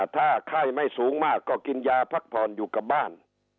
ถ้าไข้ไม่สูงมากก็กินยาพักผ่อนอยู่กับบ้าน